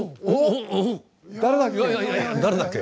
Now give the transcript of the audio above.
誰だっけ？